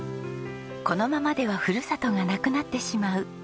このままではふるさとがなくなってしまう。